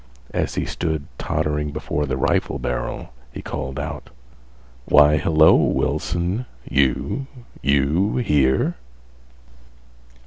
As he stood tottering before the rifle barrel, he called out: "Why, hello, Wilson, you—you here?"